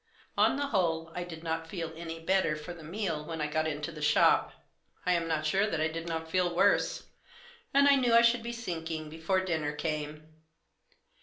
On the whole I did not feel Digitized by 80 TEE JOSS. any better for the meal when I got into the shop. I am not sure that I did not feel worse ; and I knew I should be sinking before dinner came.